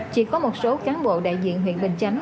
chỉ có một số cán bộ đại diện huyện bình chánh